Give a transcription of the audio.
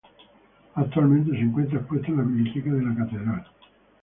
Actualmente se encuentra expuesto en la biblioteca de la catedral.